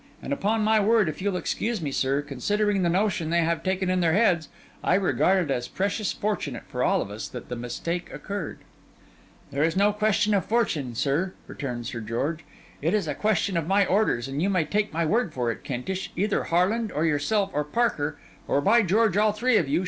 And upon my word, if you'll excuse me, sir, considering the notion they have taken in their heads, I regard it as precious fortunate for all of us that the mistake occurred.' 'This is no question of fortune, sir,' returned Sir George. 'It is a question of my orders, and you may take my word for it, Kentish, either Harland, or yourself, or Parker—or, by George, all three of you!